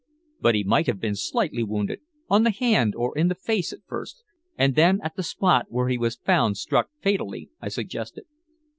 "But he might have been slightly wounded on the hand, or in the face at first, and then at the spot where he was found struck fatally," I suggested.